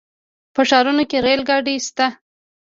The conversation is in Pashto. په ښارونو کې ریل ګاډي شته.